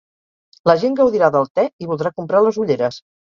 La gent gaudirà del te i voldrà comprar les ulleres.